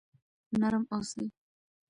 نرم اوسئ.